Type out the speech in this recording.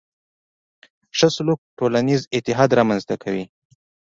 ښه سلوک ټولنیز اتحاد رامنځته کوي.